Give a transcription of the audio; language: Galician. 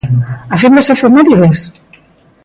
A fin das efemérides?